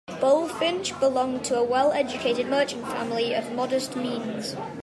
Bulfinch belonged to a well-educated merchant family of modest means.